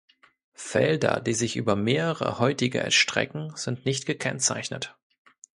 Felder, die sich über mehrere heutige erstrecken, sind nicht gekennzeichnet.